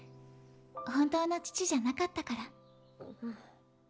本当の父じゃなかったから。